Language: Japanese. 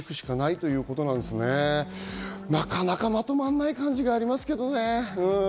なかなかまとまらない感じがありますね。